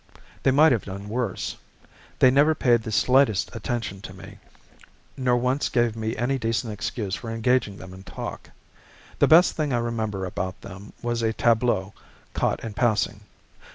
They might have done worse. They never paid the slightest attention to me, nor once gave me any decent excuse for engaging them in talk. The best thing I remember about them was a tableau caught in passing.